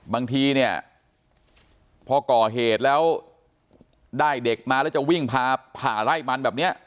บางทีเนี่ยพอก่อเหตุแล้วได้เด็กมาแล้วจะวิ่งผ่าไล่มันแบบนี้